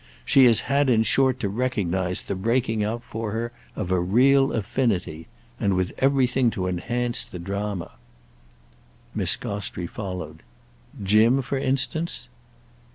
She has had in short to recognise the breaking out for her of a real affinity—and with everything to enhance the drama." Miss Gostrey followed. "Jim for instance?"